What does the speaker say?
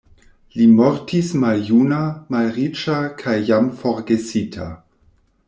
Li mortis maljuna, malriĉa kaj jam forgesita.